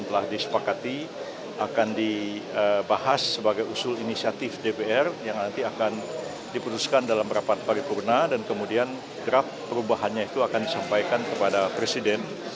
yang nanti akan diputuskan dalam rapat paripurna dan kemudian draft perubahannya itu akan disampaikan kepada presiden